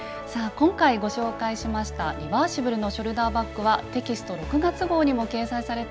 今回ご紹介しました「リバーシブルのショルダーバッグ」はテキスト６月号にも掲載されています。